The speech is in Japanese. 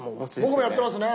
僕もやってますね。